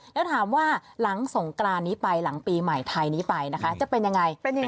แล้วถามว่าหลังสงกรานนี้ไปหลังปีใหม่ไทยนี้ไปนะคะจะเป็นยังไง